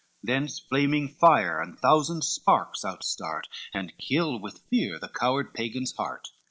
Thence flaming fire and thousand sparks outstart, And kill with fear the coward Pagan's heart.